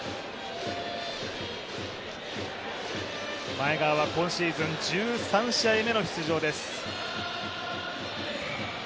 前川は今シーズン１３試合目の出場です。